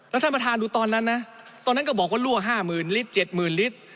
แล้วท่านประธานดูตอนนั้นนะตอนนั้นก็บอกว่าลั่ว๕หมื่นลิตร๗หมื่นลิตร